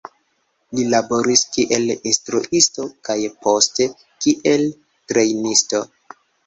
Li laboris kiel instruisto kaj poste kiel trejnisto.